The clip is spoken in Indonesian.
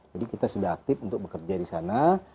jadi kita sudah aktif untuk bekerja di sana